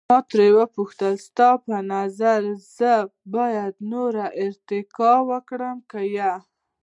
ما ترې وپوښتل، ستا په نظر زه باید نوره ارتقا وکړم که یا؟